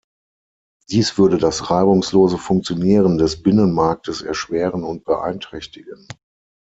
Dies würde das reibungslose Funktionieren des Binnenmarktes erschweren und beeinträchtigen.